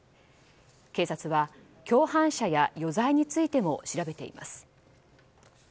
警察は共犯者や余罪についても調べています。